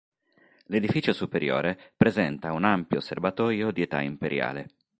L'edificio superiore presenta un ampio serbatoio di età imperiale.